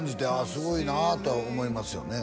すごいなとは思いますよね